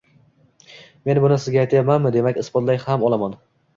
Men buni sizga aytyapmanmi, demak, isbotlay ham olaman